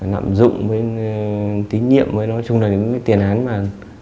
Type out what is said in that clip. nạm dụng với tín nhiệm với nói chung là những cái tiền án mà